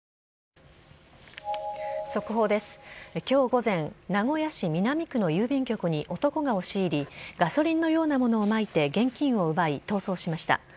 きょう午前、名古屋市南区の郵便局に男が押し入り、ガソリンのようなものをまいて現金を奪い、逃走しました。